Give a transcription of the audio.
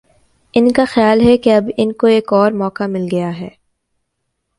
ان کا خیال ہے کہ اب ان کو ایک اور موقع مل گیا ہے۔